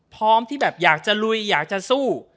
พร้อมที่แบบอยากจะลุยอยากจะสู้